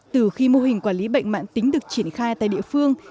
từ khi mô hình quản lý bệnh mạng tính được triển khai tại địa phương